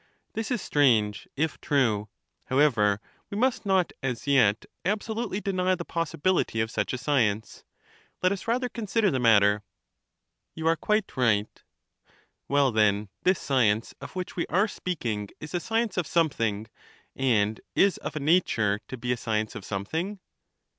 this is strange, if true: however, we must not as yet absolutely deny the possibility of such a science; let us rather consider the matter. You are quite right. Well then, this science of which we are speaking is a science of something, and is of a nature to be a science of something?